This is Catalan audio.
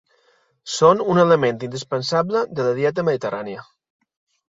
Són un element indispensable de la dieta mediterrània.